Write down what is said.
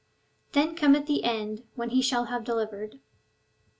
Then cometh the end, when he shall have delivered.